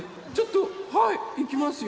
はいいきますよ。